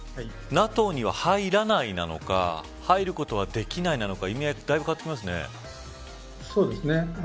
ＮＡＴＯには入らない、なのか入ることはできないなのか意味合いがそうですね。